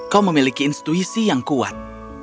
kau memiliki instuisi yang kuat